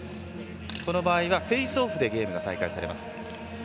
この場合はフェースオフでゲームが再開されます。